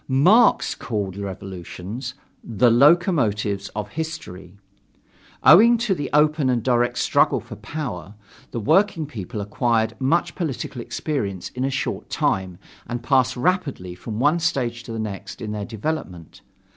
Marx called revolutions "the locomotives of history." Owing to the open and direct struggle for power, the working people acquire much political experience in a short time and pass rapidly from one stage to the next in their development.